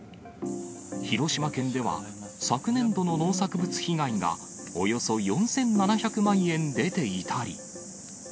広島県では、昨年度の農作物被害がおよそ４７００万円出ていたり。